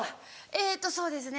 えっとそうですね